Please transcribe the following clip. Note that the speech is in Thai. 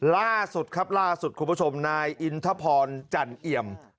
ล่าสุดครับล่าสุดคุณผู้ชมนายอินทพรจันเอี่ยม